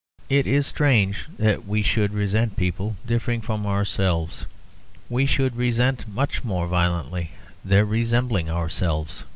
It is strange that we should resent people differing from ourselves; we should resent much more violently their resembling ourselves.